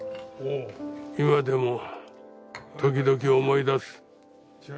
ほう今でも時々思い出す。